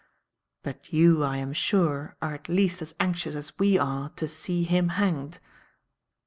But you, I am sure, are at least as anxious as we are to see him hanged."